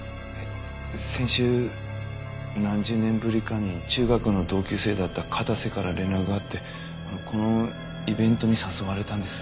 先週何十年ぶりかに中学の同級生だった片瀬から連絡があってこのイベントに誘われたんです。